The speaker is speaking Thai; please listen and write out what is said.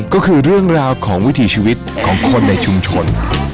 ก็คือเรื่องราวของวิถีชีวิตของคนในชุมชน